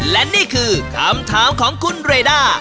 และนี่คือคำถามของคุณเรด้า